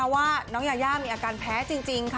ว่าน้องยาย่ามีอาการแพ้จริงค่ะ